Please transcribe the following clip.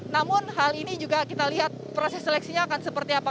namun hal ini juga kita lihat proses seleksinya akan seperti apa